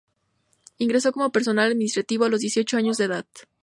Ingresó como personal administrativo a los dieciocho años de edad.